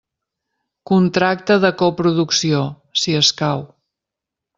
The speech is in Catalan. Contracte de coproducció, si escau.